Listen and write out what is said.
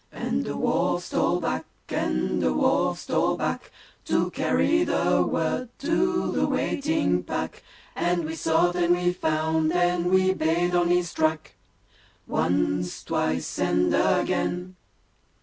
And a wolf stole back, and a wolf stole back To carry the word to the waiting pack, And we sought and we found and we bayed on his track Once, twice and again!